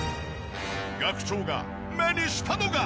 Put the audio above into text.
学長が目にしたのが。